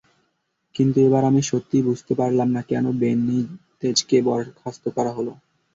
কিন্তু এবার আমি সত্যিই বুঝতে পারলাম না, কেন বেনিতেজকে বরখাস্ত করা হলো।